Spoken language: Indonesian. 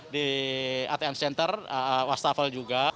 di atm center wastafel juga